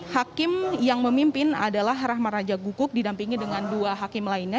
hakim yang memimpin adalah rahman raja guguk didampingi dengan dua hakim lainnya